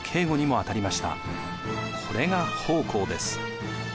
これが奉公です。